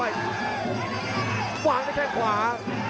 ดาบดำเล่นงานบนเวลาตัวด้วยหันขวา